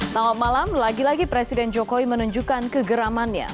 selamat malam lagi lagi presiden jokowi menunjukkan kegeramannya